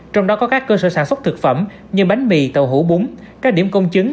trong đó có các cơ sở sản xuất thực phẩm như bánh mì tàu hủ búng các điểm công chứng